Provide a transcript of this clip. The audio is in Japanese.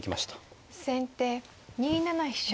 先手２七飛車。